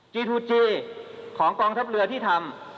จีทูจีของกองทัพเรือที่ทำ